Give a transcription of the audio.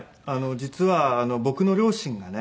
実は僕の両親がね